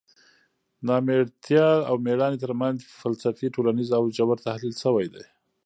نامېړتیا او مېړانې ترمنځ فلسفي، ټولنیز او ژور تحلیل شوی دی.